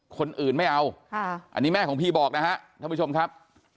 คนอื่นไม่เอาอันนี้แม่ของพี่บอกนะฮะท่านผู้ชมครับ